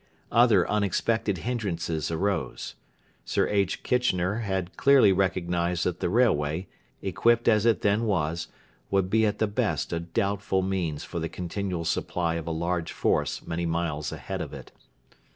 Other unexpected hindrances arose. Sir H. Kitchener had clearly recognised that the railway, equipped as it then was, would be at the best a doubtful means for the continual supply of a large force many miles ahead of it.